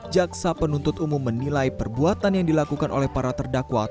jaksa penuntut umum menilai perbuatan yang dilakukan oleh para terdakwa